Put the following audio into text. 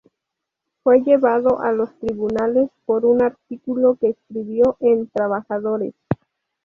Fue llevado a los tribunales por un artículo que escribió en "¡¡Trabajadores!!